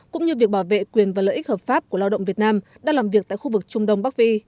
cũng như việc bảo vệ quyền và lợi ích hợp pháp của lao động việt nam đang làm việc tại khu vực trung đông bắc phi